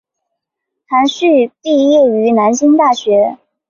韩叙毕业于燕京大学。